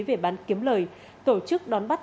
về bán kiếm lời tổ chức đón bắt